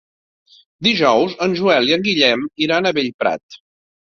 Dilluns en Joel i en Guillem iran a Bellprat.